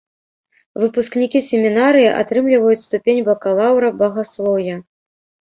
Выпускнікі семінарыі атрымліваюць ступень бакалаўра багаслоўя.